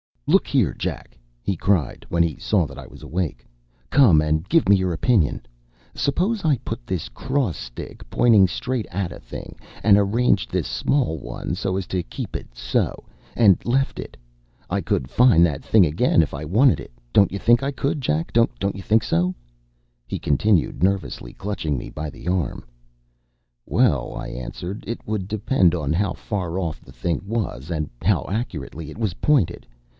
“Look here, Jack!” he cried, when he saw that I was awake. “Come and give me your opinion. Suppose I put this cross stick pointing straight at a thing, and arranged this small one so as to keep it so, and left it, I could find that thing again if I wanted it don’t you think I could, Jack don’t you think so?” he continued, nervously, clutching me by the arm. “Well,” I answered, “it would depend on how far off the thing was, and how accurately it was pointed.